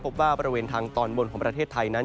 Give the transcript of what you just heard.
บริเวณทางตอนบนของประเทศไทยนั้น